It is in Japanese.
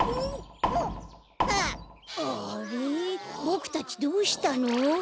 ぼくたちどうしたの？